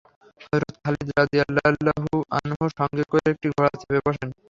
হযরত খালিদ রাযিয়াল্লাহু আনহু সঙ্গে সঙ্গে একটি ঘোড়ায় চেপে বসেন।